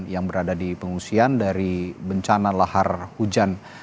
yang berada di pengungsian dari bencana lahar hujan